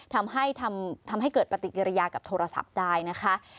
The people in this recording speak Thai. ทำให้ทำให้เกิดปฏิกิริยากับโทรศัพท์ได้นะคะ